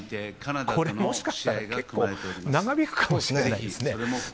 これもしかしたら結構長引くかもしれないですね。